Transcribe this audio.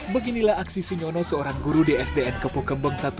beginilah aksi sunyono seorang guru di sdn kepo kembang satu kecil